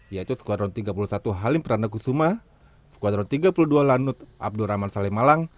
yaitu skuadron tiga puluh satu halim pranakusuma skuadron tiga puluh dua lanut abdurrahman saleh malang